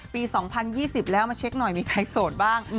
๒๐๒๐แล้วมาเช็คหน่อยมีใครโสดบ้าง